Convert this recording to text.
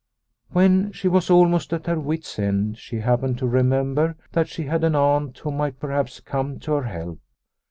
When she was almost at her wit's end she happened to remember that she had an aunt who might perhaps come to her help.